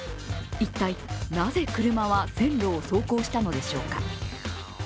一体、なぜ車は線路を走行したのでしょうか。